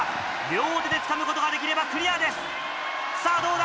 両手でつかむことができればクリアです。